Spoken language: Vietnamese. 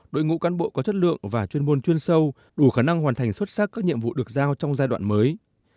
đội ngũ cán bộ có chất lượng và chuyên môn chuyên sâu đủ khả năng hoàn thành xuất sắc các nhiệm vụ được giao trong giai đoạn mới